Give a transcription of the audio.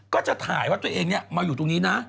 ก็จะถ่ายว่าตัวเองมาอยู่ตรงนี้นะ